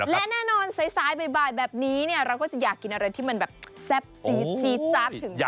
และแน่นอนซ้ายบ่ายแบบนี้เราก็จะอยากกินอะไรที่มันแบบแซ่บซีดจี๊ดจัดถึงใจ